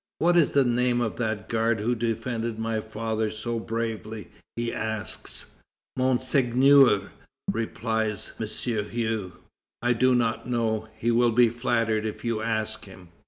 "What is the name of that guard who defended my father so bravely?" he asks. "Monseigneur," replies M. Hue, "I do not know; he will be flattered if you ask him."